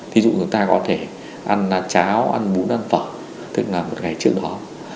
thí dụ chúng ta có thể ăn cháo ăn bún ăn phở tức là một ngày trước đó